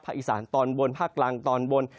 อีสานตอนบนภาคกลางตอนบน